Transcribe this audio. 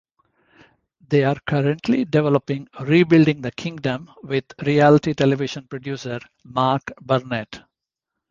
They are currently developing "Rebuilding the Kingdom" with Reality Television Producer Mark Burnett.